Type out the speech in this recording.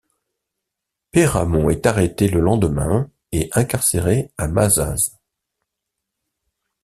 Peyramont est arrêté le lendemain et incarcéré à Mazas.